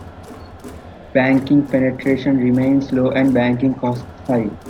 Banking penetration remains low and banking costs high.